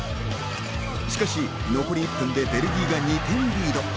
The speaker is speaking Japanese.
しかし残り１分でベルギーが２点リード。